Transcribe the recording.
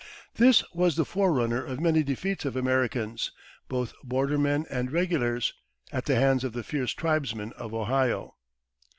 This was the forerunner of many defeats of Americans, both bordermen and regulars, at the hands of the fierce tribesmen of Ohio.